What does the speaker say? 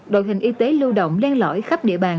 đội hình y tế lưu động len lõi khắp địa bàn